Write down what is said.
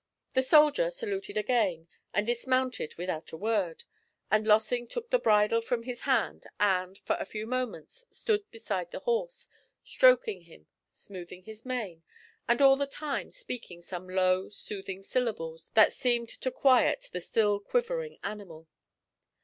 The soldier saluted again, and dismounted without a word; and Lossing took the bridle from his hand, and for a few moments stood beside the horse, stroking him, smoothing his mane, and all the time speaking some low, soothing syllables that seemed to quiet the still quivering animal.